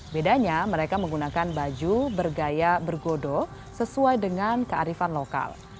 bedanya mereka menggunakan baju bergaya bergodo sesuai dengan kearifan lokal